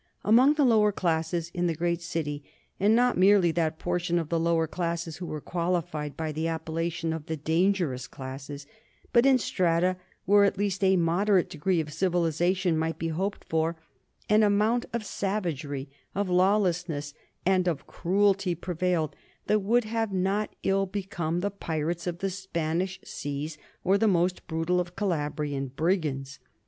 Among the lower classes in the great city, and not merely that portion of the lower classes who are qualified by the appellation of the dangerous classes, but in strata where at least a moderate degree of civilization might be hoped for, an amount of savagery, of lawlessness, and of cruelty prevailed that would have not ill become the pirates of the Spanish Seas or the most brutal of Calabrian brigands.